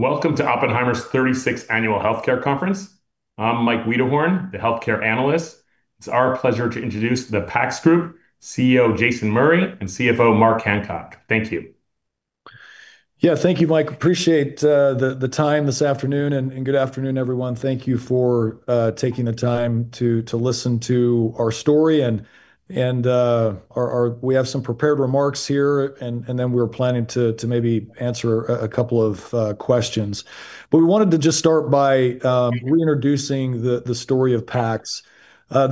Welcome to Oppenheimer's 36th Annual Healthcare Conference. I'm Mike Wiederhorn, the healthcare analyst. It's our pleasure to introduce the PACS Group, CEO Jason Murray, and CFO Mark Hancock. Thank you. Yeah. Thank you, Mike. Appreciate the time this afternoon, and good afternoon, everyone. Thank you for taking the time to listen to our story. We have some prepared remarks here, and then we're planning to maybe answer a couple of questions. We wanted to just start by reintroducing the story of PACS.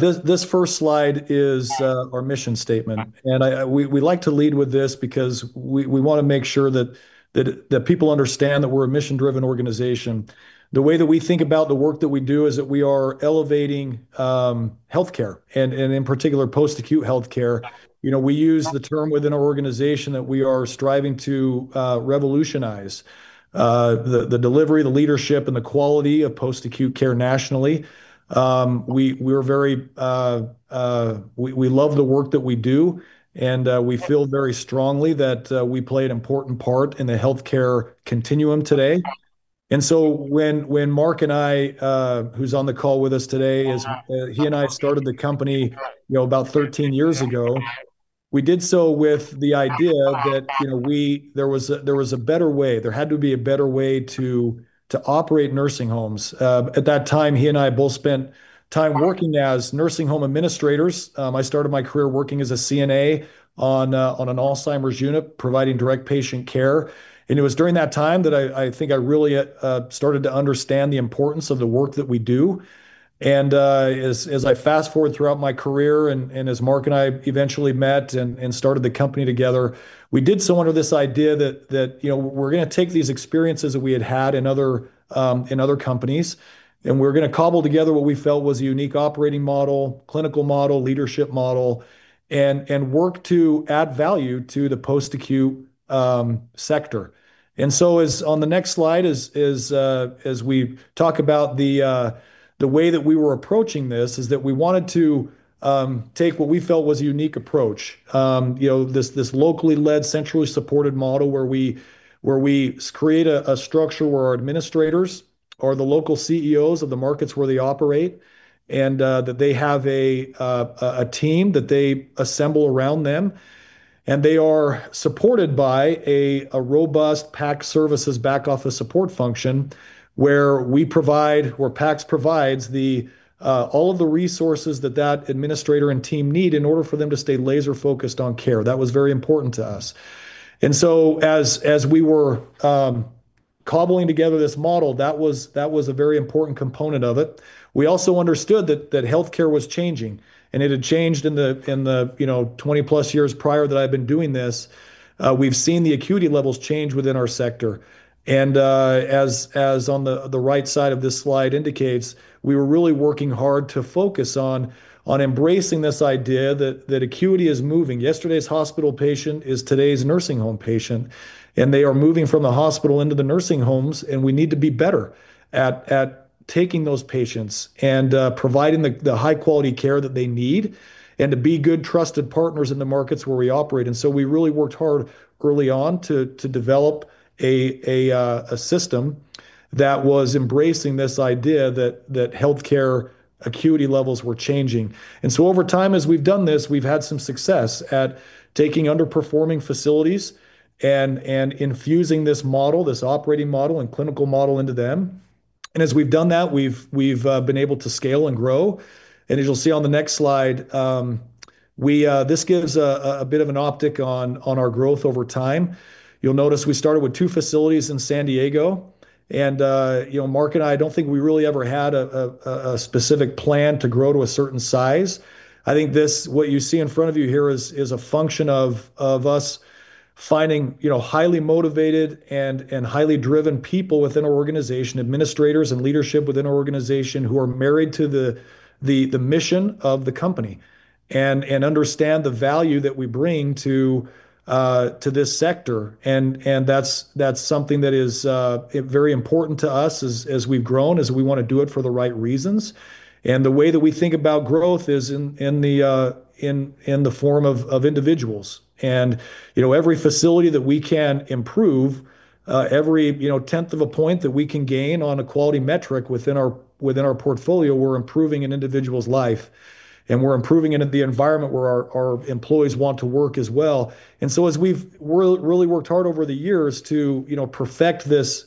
This first slide is our mission statement, and we like to lead with this because we wanna make sure that people understand that we're a mission-driven organization. The way that we think about the work that we do is that we are elevating healthcare and in particular post-acute healthcare. You know, we use the term within our organization that we are striving to revolutionize the delivery, the leadership, and the quality of post-acute care nationally. We love the work that we do, and we feel very strongly that we play an important part in the healthcare continuum today. When Mark and I, who's on the call with us today, he and I started the company, you know, about 13 years ago. We did so with the idea that, you know, there was a better way. There had to be a better way to operate nursing homes. At that time, he and I both spent time working as nursing home administrators. I started my career working as a CNA on an Alzheimer's unit, providing direct patient care, and it was during that time that I think I really started to understand the importance of the work that we do. As I fast-forward throughout my career and as Mark and I eventually met and started the company together, we did so under this idea that you know, we're gonna take these experiences that we had had in other companies, and we're gonna cobble together what we felt was a unique operating model, clinical model, leadership model, and work to add value to the post-acute sector. On the next slide, we talk about the way that we were approaching this is that we wanted to take what we felt was a unique approach, you know, this locally led, centrally supported model where we create a structure where our administrators are the local CEOs of the markets where they operate and that they have a team that they assemble around them, and they are supported by a robust PACS services back office support function where PACS provides all of the resources that administrator and team need in order for them to stay laser focused on care. That was very important to us. As we were cobbling together this model, that was a very important component of it. We also understood that healthcare was changing, and it had changed in the, you know, 20+ years prior that I've been doing this. We've seen the acuity levels change within our sector, and as on the right side of this slide indicates, we were really working hard to focus on embracing this idea that acuity is moving. Yesterday's hospital patient is today's nursing home patient, and they are moving from the hospital into the nursing homes, and we need to be better at taking those patients and providing the high quality care that they need and to be good, trusted partners in the markets where we operate. We really worked hard early on to develop a system that was embracing this idea that healthcare acuity levels were changing. Over time, as we've done this, we've had some success at taking underperforming facilities and infusing this model, this operating model and clinical model into them. As we've done that, we've been able to scale and grow. As you'll see on the next slide, this gives a bit of an optic on our growth over time. You'll notice we started with two facilities in San Diego, and you know, Mark and I don't think we really ever had a specific plan to grow to a certain size. I think this, what you see in front of you here is a function of us finding, you know, highly motivated and highly driven people within our organization, administrators and leadership within our organization who are married to the mission of the company and understand the value that we bring to this sector and that's something that is very important to us as we've grown, is we wanna do it for the right reasons. The way that we think about growth is in the form of individuals. You know, every facility that we can improve, you know, 10th of a point that we can gain on a quality metric within our portfolio, we're improving an individual's life, and we're improving it in the environment where our employees want to work as well. As we've really worked hard over the years to, you know, perfect this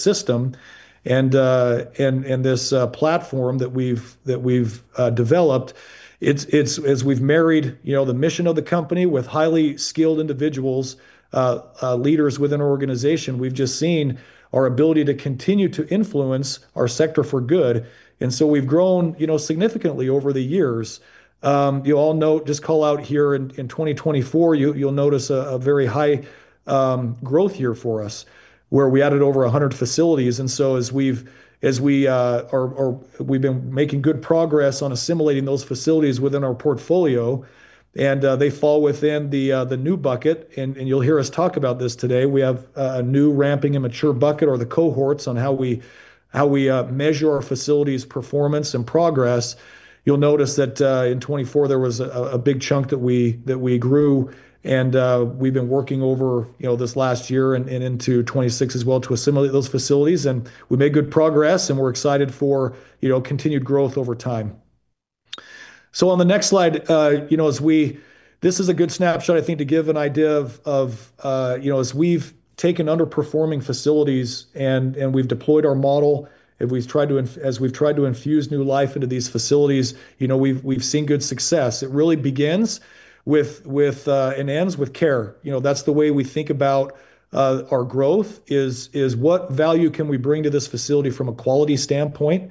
system and this platform that we've developed, as we've married, you know, the mission of the company with highly skilled individuals, leaders within our organization, we've just seen our ability to continue to influence our sector for good. We've grown, you know, significantly over the years. You all know, just call out here in 2024, you'll notice a very high growth year for us, where we added over 100 facilities. We've been making good progress on assimilating those facilities within our portfolio, and they fall within the new bucket. You'll hear us talk about this today. We have a new ramping and mature bucket or the cohorts on how we measure our facilities performance and progress. You'll notice that in 2024, there was a big chunk that we grew, and we've been working over, you know, this last year and into 2026 as well to assimilate those facilities. We made good progress, and we're excited for, you know, continued growth over time. On the next slide, you know, this is a good snapshot, I think, to give an idea of, you know, as we've taken underperforming facilities and we've deployed our model, and as we've tried to infuse new life into these facilities, you know, we've seen good success. It really begins with and ends with care. You know, that's the way we think about our growth is what value can we bring to this facility from a quality standpoint.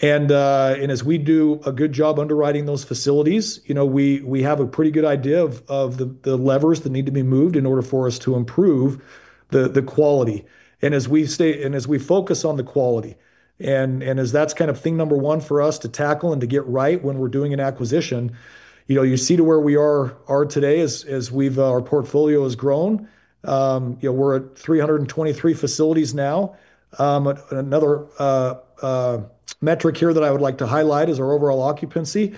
As we do a good job underwriting those facilities, you know, we have a pretty good idea of the levers that need to be moved in order for us to improve the quality. As we focus on the quality and as that's kind of thing number one for us to tackle and to get right when we're doing an acquisition, you know, you see to where we are today as our portfolio has grown. You know, we're at 323 facilities now. Another metric here that I would like to highlight is our overall occupancy.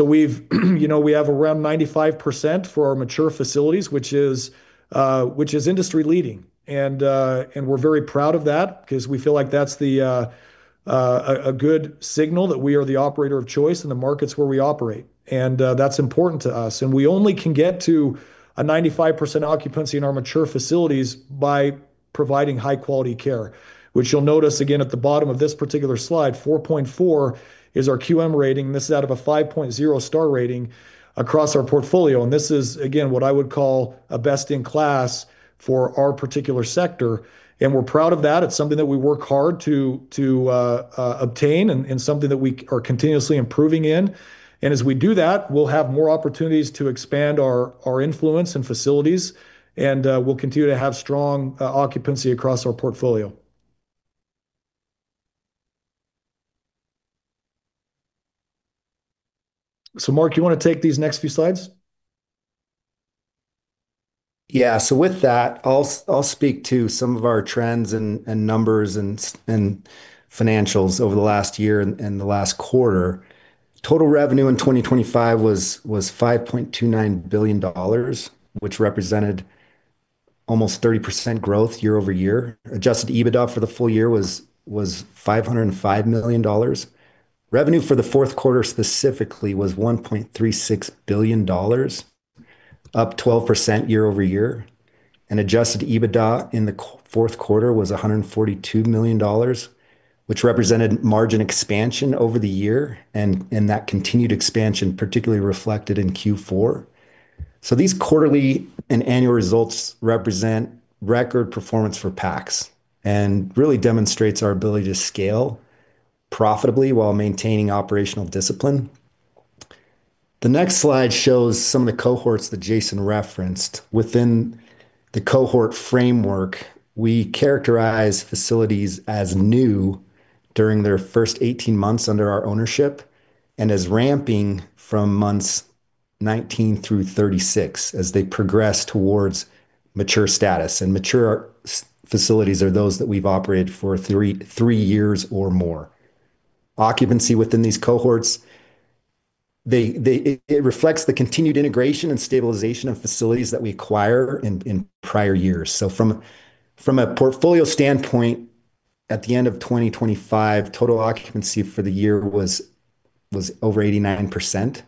We've, you know, we have around 95% for our mature facilities, which is industry-leading. We're very proud of that 'cause we feel like that's a good signal that we are the operator of choice in the markets where we operate. That's important to us. We only can get to a 95% occupancy in our mature facilities by providing high-quality care, which you'll notice again at the bottom of this particular slide. 4.4 is our QM rating. This is out of a 5.0-star rating across our portfolio, and this is, again, what I would call a best in class for our particular sector, and we're proud of that. It's something that we work hard to obtain and something that we are continuously improving in. As we do that, we'll have more opportunities to expand our influence and facilities, and we'll continue to have strong occupancy across our portfolio. So Mark, you wanna take these next few slides? Yeah. With that, I'll speak to some of our trends and numbers and financials over the last year and the last quarter. Total revenue in 2025 was $5.29 billion, which represented almost 30% growth year-over-year. Adjusted EBITDA for the full year was $505 million. Revenue for the fourth quarter specifically was $1.36 billion, up 12% year-over-year. Adjusted EBITDA in the fourth quarter was $142 million, which represented margin expansion over the year and that continued expansion particularly reflected in Q4. These quarterly and annual results represent record performance for PACS and really demonstrates our ability to scale profitably while maintaining operational discipline. The next slide shows some of the cohorts that Jason referenced. Within the cohort framework, we characterize facilities as new during their first 18 months under our ownership and as ramping from months 19 through 36 as they progress towards mature status. Mature SNF facilities are those that we've operated for three years or more. Occupancy within these cohorts reflects the continued integration and stabilization of facilities that we acquired in prior years. From a portfolio standpoint, at the end of 2025, total occupancy for the year was over 89%.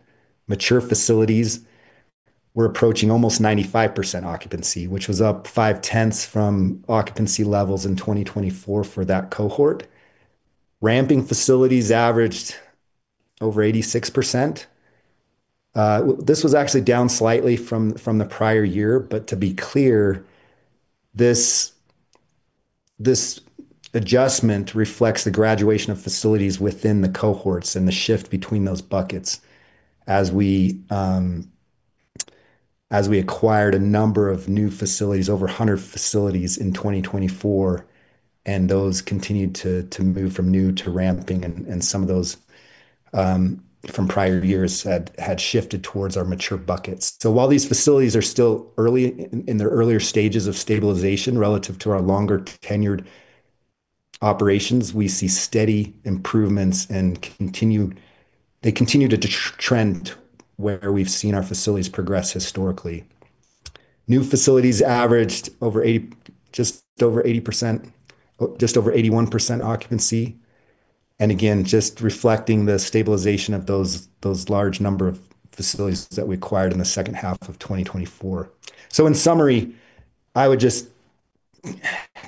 Mature facilities were approaching almost 95% occupancy, which was up 0.5 from occupancy levels in 2024 for that cohort. Ramping facilities averaged over 86%. This was actually down slightly from the prior year, but to be clear, this adjustment reflects the graduation of facilities within the cohorts and the shift between those buckets. As we acquired a number of new facilities, over 100 facilities in 2024, and those continued to move from new to ramping and some of those from prior years had shifted towards our mature buckets. While these facilities are still early in their earlier stages of stabilization relative to our longer-tenured operations, we see steady improvements and they continue to trend where we've seen our facilities progress historically. New facilities averaged just over 81% occupancy, and again, just reflecting the stabilization of those large number of facilities that we acquired in the second half of 2024. In summary, I would just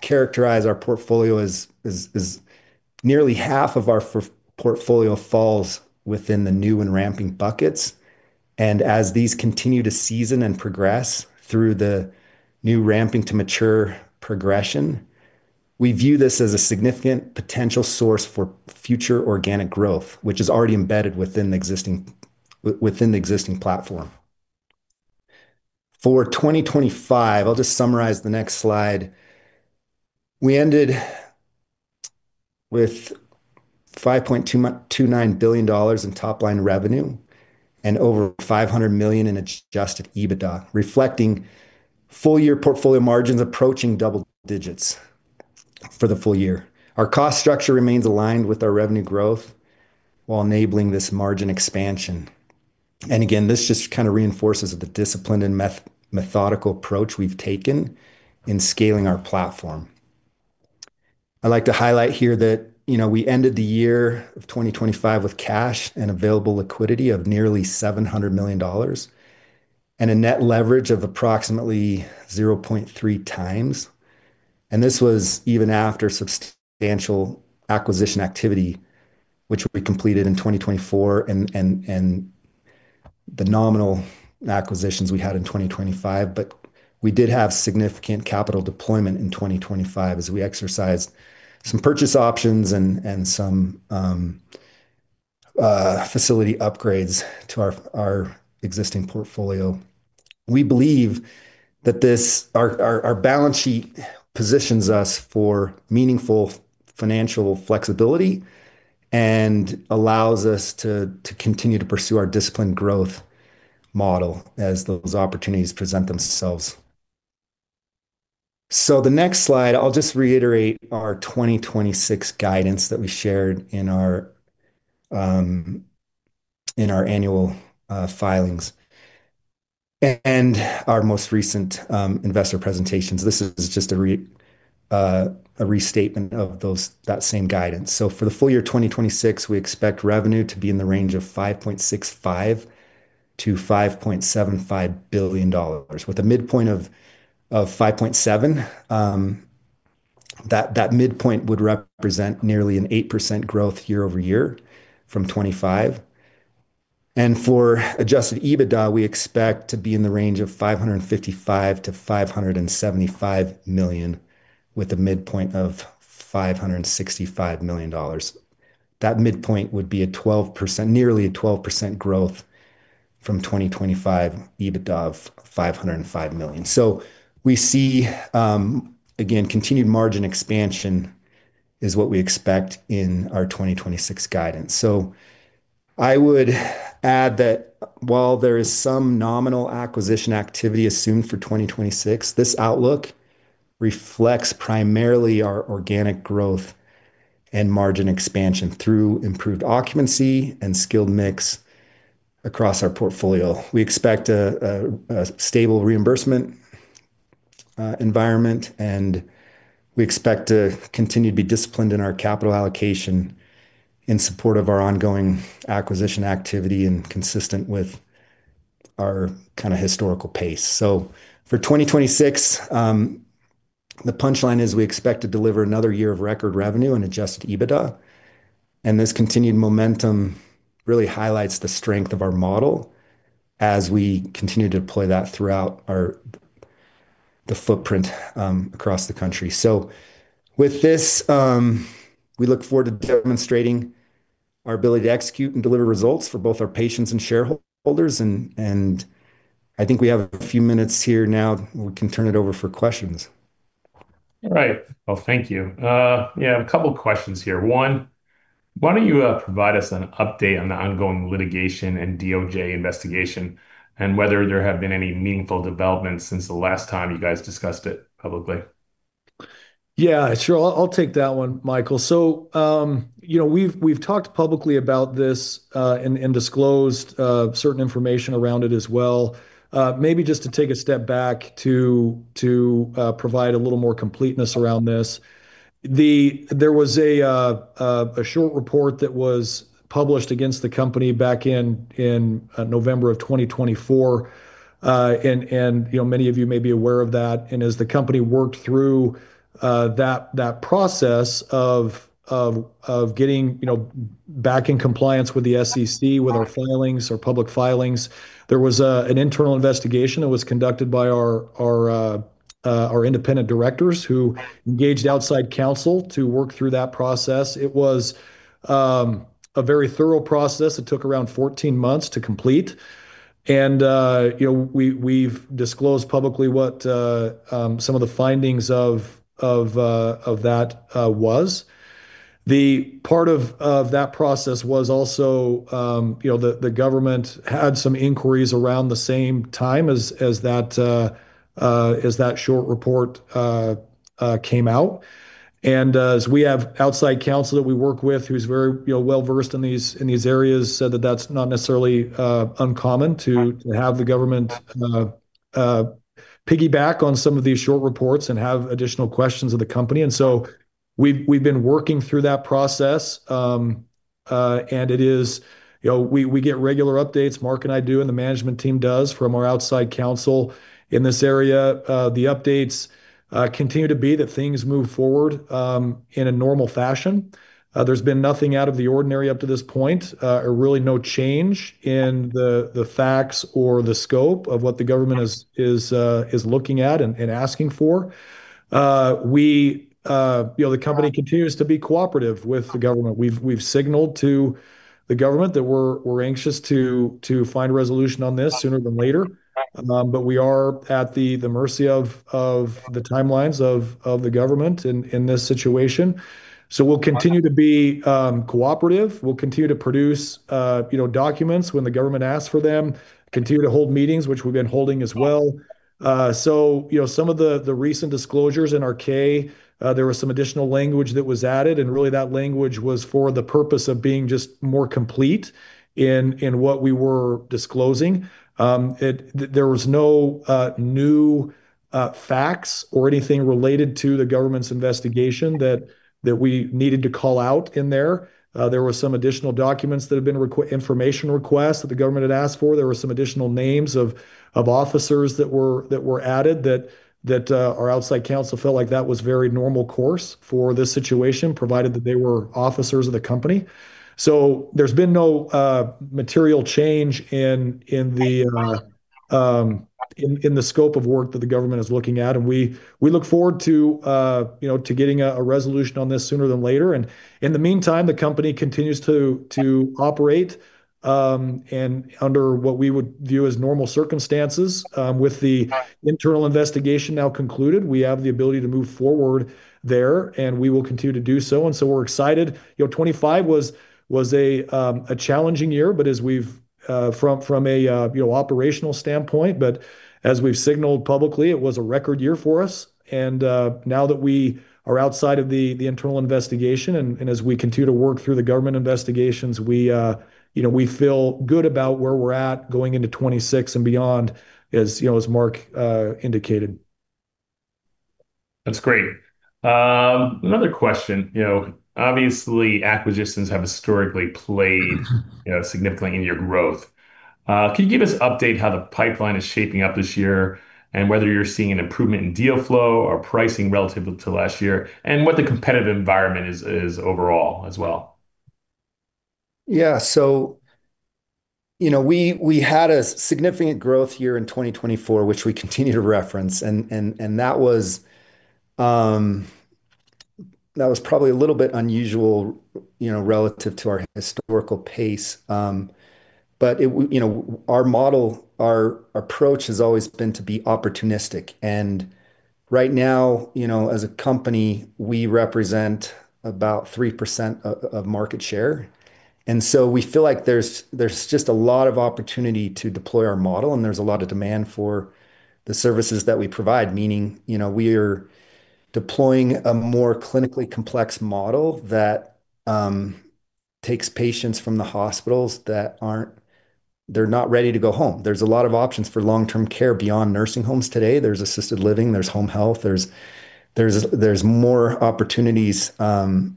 characterize our portfolio as nearly half of our portfolio falls within the new and ramping buckets. As these continue to season and progress through the new ramping to mature progression, we view this as a significant potential source for future organic growth, which is already embedded within the existing, within the existing platform. For 2025, I'll just summarize the next slide. We ended with $5.29 billion in top-line revenue and over $500 million in Adjusted EBITDA, reflecting full-year portfolio margins approaching double digits for the full year. Our cost structure remains aligned with our revenue growth while enabling this margin expansion. Again, this just kind of reinforces the disciplined and methodical approach we've taken in scaling our platform. I'd like to highlight here that, you know, we ended the year of 2025 with cash and available liquidity of nearly $700 million and a net leverage of approximately 0.3x. This was even after substantial acquisition activity, which we completed in 2024 and the nominal acquisitions we had in 2025. We did have significant capital deployment in 2025 as we exercised some purchase options and some facility upgrades to our existing portfolio. We believe that this, our balance sheet positions us for meaningful financial flexibility and allows us to continue to pursue our disciplined growth model as those opportunities present themselves. The next slide, I'll just reiterate our 2026 guidance that we shared in our annual filings and our most recent investor presentations. This is just a restatement of that same guidance. For the full year 2026, we expect revenue to be in the range of $5.65 billion-$5.75 billion, with a midpoint of $5.7 billion. That midpoint would represent nearly an 8% growth year-over-year from 2025. For adjusted EBITDA, we expect to be in the range of $555 million-$575 million, with a midpoint of $565 million. That midpoint would be nearly a 12% growth from 2025 EBITDA of $505 million. We see, again, continued margin expansion is what we expect in our 2026 guidance. I would add that while there is some nominal acquisition activity assumed for 2026, this outlook reflects primarily our organic growth and margin expansion through improved occupancy and skilled mix across our portfolio. We expect a stable reimbursement environment, and we expect to continue to be disciplined in our capital allocation in support of our ongoing acquisition activity and consistent with our kind of historical pace. For 2026, the punchline is we expect to deliver another year of record revenue and Adjusted EBITDA. This continued momentum really highlights the strength of our model as we continue to deploy that throughout our footprint across the country. With this, we look forward to demonstrating our ability to execute and deliver results for both our patients and shareholders. I think we have a few minutes here now. We can turn it over for questions. All right. Well, thank you. Yeah, a couple questions here. One, why don't you provide us an update on the ongoing litigation and DOJ investigation and whether there have been any meaningful developments since the last time you guys discussed it publicly? Yeah, sure. I'll take that one, Michael. So, you know, we've talked publicly about this, and disclosed certain information around it as well. Maybe just to take a step back to provide a little more completeness around this. There was a short report that was published against the company back in November 2024. You know, many of you may be aware of that. As the company worked through that process of getting you know, back in compliance with the SEC, with our filings, our public filings, there was an internal investigation that was conducted by our independent directors who engaged outside counsel to work through that process. It was a very thorough process. It took around 14 months to complete. you know, we've disclosed publicly what some of the findings of that was. The part of that process was also, you know, the government had some inquiries around the same time as that short report came out. as we have outside counsel that we work with who's very, you know, well-versed in these areas, said that that's not necessarily uncommon to have the government piggyback on some of these short reports and have additional questions of the company. we've been working through that process. it is, you know, we get regular updates, Mark and I do, and the management team does from our outside counsel in this area. The updates continue to be that things move forward in a normal fashion. There's been nothing out of the ordinary up to this point, or really no change in the facts or the scope of what the government is looking at and asking for. You know, the company continues to be cooperative with the government. We've signaled to the government that we're anxious to find a resolution on this sooner than later. We are at the mercy of the timelines of the government in this situation. We'll continue to be cooperative. We'll continue to produce, you know, documents when the government asks for them, continue to hold meetings, which we've been holding as well. You know, some of the recent disclosures in our K, there was some additional language that was added, and really that language was for the purpose of being just more complete in what we were disclosing. There was no new facts or anything related to the government's investigation that we needed to call out in there. There were some additional information requests that the government had asked for. There were some additional names of officers that were added that our outside counsel felt like that was very normal course for this situation, provided that they were officers of the company. There's been no material change in the in the scope of work that the government is looking at, and we look forward to, you know, to getting a resolution on this sooner than later. In the meantime, the company continues to operate and under what we would view as normal circumstances. With the internal investigation now concluded, we have the ability to move forward there, and we will continue to do so. We're excited. You know, 2025 was a challenging year, but as we've from a, you know, operational standpoint. As we've signaled publicly, it was a record year for us and, now that we are outside of the internal investigation and as we continue to work through the government investigations, you know, we feel good about where we're at going into 2026 and beyond, as you know, as Mark indicated. That's great. Another question. You know, obviously, acquisitions have historically played, you know, significantly in your growth. Can you give us an update how the pipeline is shaping up this year and whether you're seeing an improvement in deal flow or pricing relative to last year and what the competitive environment is overall as well? Yeah. You know, we had a significant growth year in 2024, which we continue to reference, and that was probably a little bit unusual, you know, relative to our historical pace. You know, our model, our approach has always been to be opportunistic. Right now, you know, as a company, we represent about 3% of market share. We feel like there's just a lot of opportunity to deploy our model, and there's a lot of demand for the services that we provide. Meaning, you know, we're deploying a more clinically complex model that takes patients from the hospitals that aren't, they're not ready to go home. There's a lot of options for long-term care beyond nursing homes today. There's assisted living, there's home health, there's more opportunities to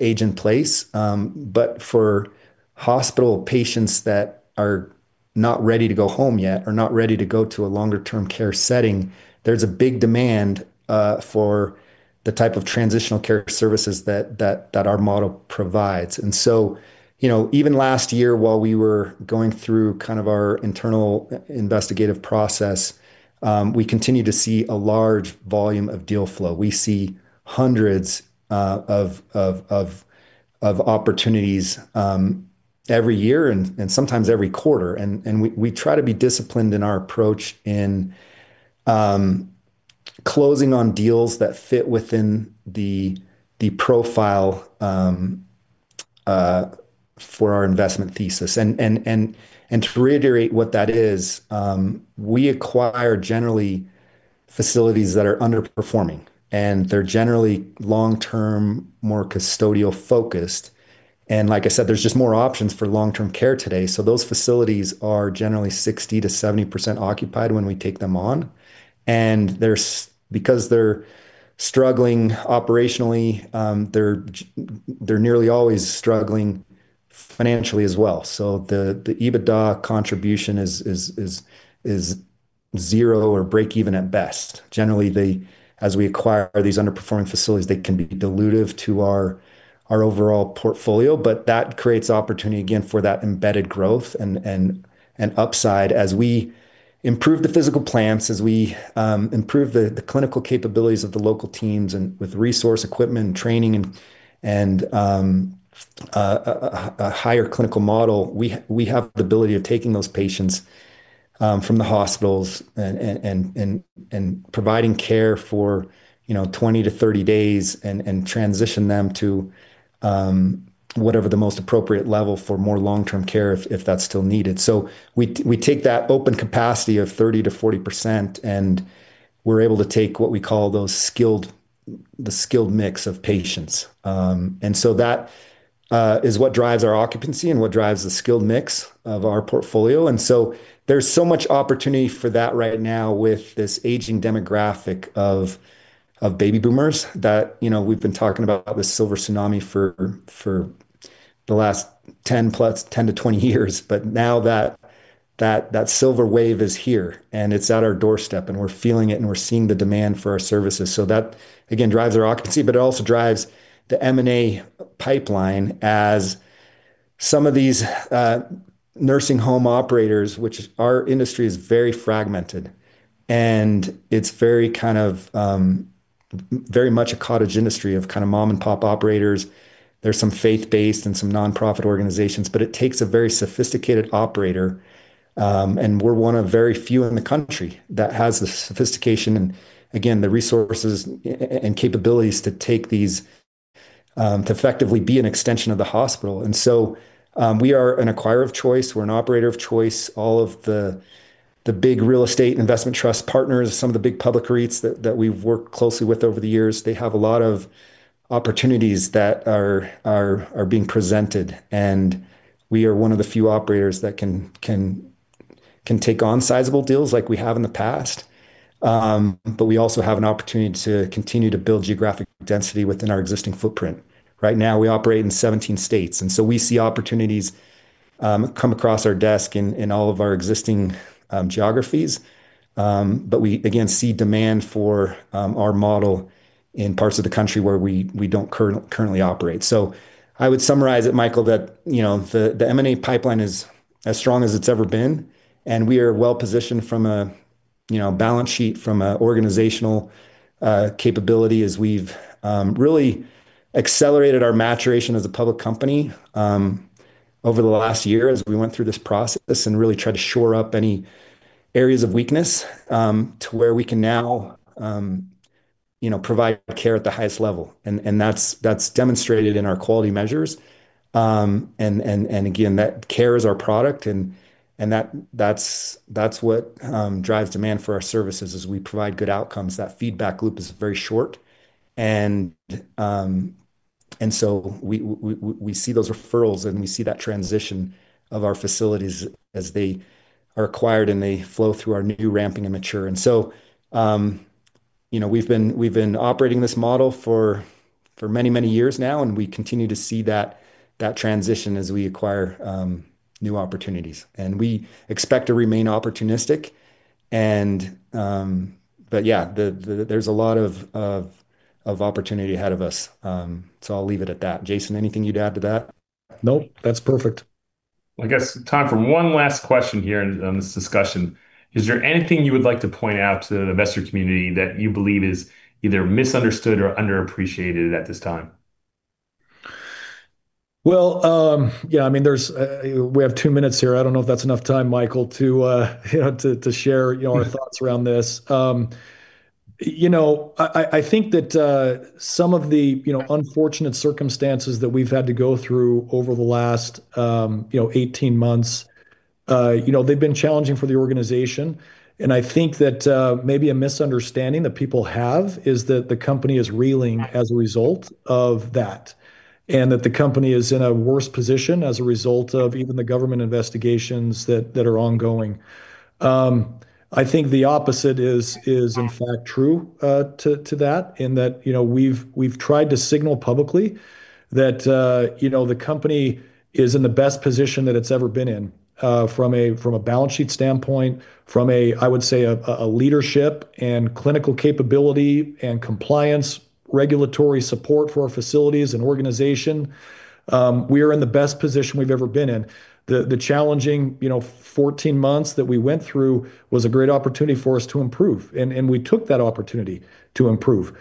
age in place. For hospital patients that are not ready to go home yet or not ready to go to a longer-term care setting, there's a big demand for the type of transitional care services that our model provides. Even last year, while we were going through kind of our internal investigative process, we continue to see a large volume of deal flow. We see hundreds of opportunities every year and sometimes every quarter. We try to be disciplined in our approach in closing on deals that fit within the profile for our investment thesis. To reiterate what that is, we acquire generally facilities that are underperforming, and they're generally long-term, more custodial-focused. Like I said, there's just more options for long-term care today. Those facilities are generally 60%-70% occupied when we take them on. They're struggling operationally, they're nearly always struggling financially as well. The EBITDA contribution is zero or breakeven at best. Generally, as we acquire these underperforming facilities, they can be dilutive to our overall portfolio, but that creates opportunity again for that embedded growth and upside. As we improve the physical plants, as we improve the clinical capabilities of the local teams and with resource equipment, training, and a higher clinical model, we have the ability of taking those patients from the hospitals and providing care for, you know, 20-30 days and transition them to whatever the most appropriate level for more long-term care if that's still needed. We take that open capacity of 30%-40%, and we're able to take what we call the skilled mix of patients. That is what drives our occupancy and what drives the skilled mix of our portfolio. There's so much opportunity for that right now with this aging demographic of baby boomers that, you know, we've been talking about the silver tsunami for the last 10-20 years. Now that silver wave is here, and it's at our doorstep, and we're feeling it, and we're seeing the demand for our services. That, again, drives our occupancy, but it also drives the M&A pipeline as some of these nursing home operators, which our industry is very fragmented, and it's very kind of very much a cottage industry of kind of mom-and-pop operators. There's some faith-based and some nonprofit organizations, but it takes a very sophisticated operator, and we're one of very few in the country that has the sophistication and again, the resources and capabilities to take these, to effectively be an extension of the hospital. We are an acquirer of choice. We're an operator of choice. All of the big real estate investment trust partners, some of the big public REITs that we've worked closely with over the years, they have a lot of opportunities that are being presented, and we are one of the few operators that can take on sizable deals like we have in the past. We also have an opportunity to continue to build geographic density within our existing footprint. Right now, we operate in 17 states, and so we see opportunities come across our desk in all of our existing geographies. We again see demand for our model in parts of the country where we don't currently operate. I would summarize it, Michael, that you know, the M&A pipeline is as strong as it's ever been, and we are well-positioned from a you know, balance sheet from a organizational capability as we've really accelerated our maturation as a public company over the last year as we went through this process and really tried to shore up any areas of weakness to where we can now you know, provide care at the highest level. That's demonstrated in our Quality Measures. Again, that care is our product, and that's what drives demand for our services is we provide good outcomes. That feedback loop is very short. We see those referrals, and we see that transition of our facilities as they are acquired, and they flow through our new ramping and mature. We've been operating this model for many years now, and we continue to see that transition as we acquire new opportunities. We expect to remain opportunistic. There's a lot of opportunity ahead of us. I'll leave it at that. Jason, anything you'd add to that? Nope. That's perfect. Well, I guess time for one last question here in this discussion. Is there anything you would like to point out to the investor community that you believe is either misunderstood or underappreciated at this time? Well, yeah, I mean, we have two minutes here. I don't know if that's enough time, Michael, to you know, to share you know, our thoughts around this. You know, I think that some of the you know, unfortunate circumstances that we've had to go through over the last you know, 18 months you know, they've been challenging for the organization. I think that maybe a misunderstanding that people have is that the company is reeling as a result of that and that the company is in a worse position as a result of even the government investigations that are ongoing. I think the opposite is in fact true to that in that you know we've tried to signal publicly that you know the company is in the best position that it's ever been in from a balance sheet standpoint from a I would say a leadership and clinical capability and compliance regulatory support for our facilities and organization. We are in the best position we've ever been in. The challenging you know 14 months that we went through was a great opportunity for us to improve. We took that opportunity to improve.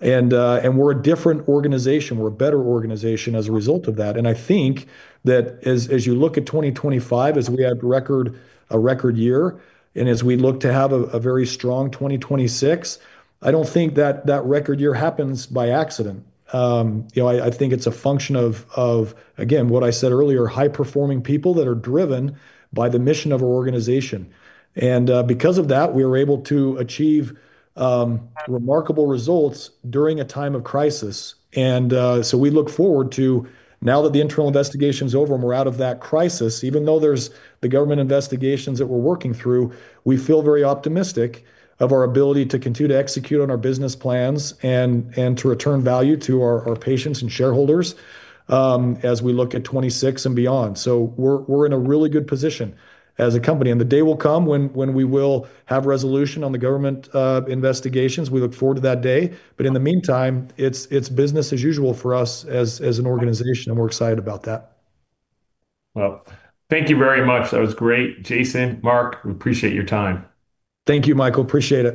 We're a different organization. We're a better organization as a result of that. I think that as you look at 2025, as we had a record year, and as we look to have a very strong 2026, I don't think that record year happens by accident. You know, I think it's a function of, again, what I said earlier, high-performing people that are driven by the mission of our organization. Because of that, we were able to achieve remarkable results during a time of crisis. We look forward to now that the internal investigation is over and we're out of that crisis, even though there's the government investigations that we're working through, we feel very optimistic of our ability to continue to execute on our business plans and to return value to our patients and shareholders, as we look at 2026 and beyond. We're in a really good position as a company. The day will come when we will have resolution on the government investigations. We look forward to that day. In the meantime, it's business as usual for us as an organization, and we're excited about that. Well, thank you very much. That was great. Jason, Mark, we appreciate your time. Thank you, Michael. Appreciate it.